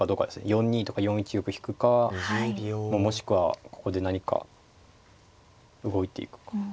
４二とか４一玉引くかもしくはここで何か動いていくか。